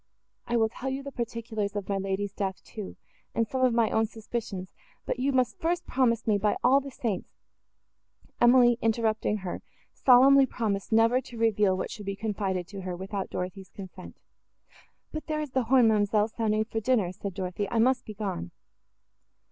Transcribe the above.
I will tell you the particulars of my lady's death, too, and some of my own suspicions; but you must first promise me by all the saints—" Emily, interrupting her, solemnly promised never to reveal what should be confided to her, without Dorothée's consent. "But there is the horn, ma'amselle, sounding for dinner," said Dorothée; "I must be gone."